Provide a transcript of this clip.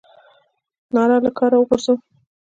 ناره له کاره غورځوو.